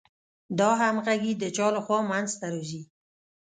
دا همغږي د چا له خوا منځ ته راځي؟